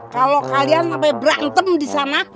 kalau kalian sampai berantem disana